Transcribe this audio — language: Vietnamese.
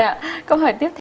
rồi ạ câu hỏi tiếp theo